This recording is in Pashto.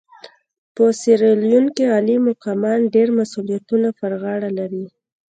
په سیریلیون کې عالي مقامان ډېر مسوولیتونه پر غاړه لري.